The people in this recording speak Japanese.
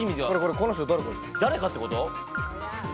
誰かってこと？